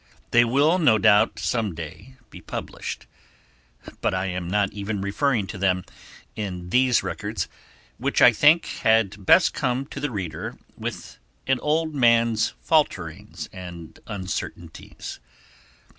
They will no doubt some day be published, but I am not even referring to them in these records, which I think had best come to the reader with an old man's falterings and uncertainties.